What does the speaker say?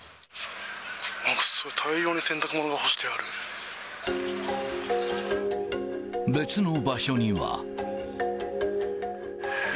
なんかすごい大量に洗濯物が別の場所には。